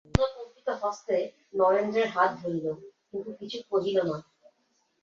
করুণা কম্পিত হস্তে নরেন্দ্রের হাত ধরিল, কিন্তু কিছু কহিল না।